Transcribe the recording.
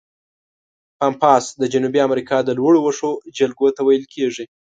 پامپاس د جنوبي امریکا د لوړو وښو جلګو ته ویل کیږي.